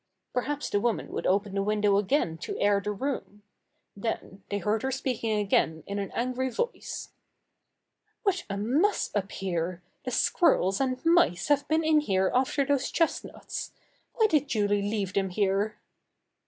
Perhaps the woman would open the window again to air the room. Then they heard her speaking again in an angry voice. "What a muss up here! The squirrels and mice have been in here after those chestnuts. Why did Julie leave them here?"